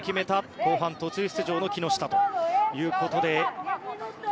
それを決めた後半途中出場の木下ということで。